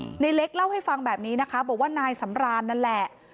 ในเล็กเล่าให้ฟังแบบนี้นะคะบอกว่านายสำรานนั่นแหละ